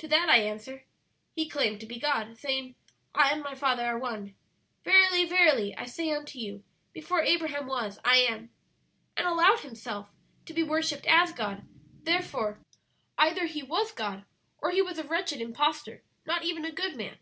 To that I answer, 'He claimed to be God, saying, "I and My Father are One;" "Verily, verily, I say unto you, before Abraham was I am;" and allowed himself to be worshipped as God; therefore either He was God or He was a wretched impostor, not even a good man.'